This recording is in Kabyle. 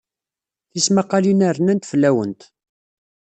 Tismaqqalin-a rnant fell-awent.